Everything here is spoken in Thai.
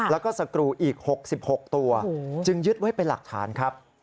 แล้วก็สกรูอีก๖๖ตัวจึงยึดไว้เป็นหลักฐานครับ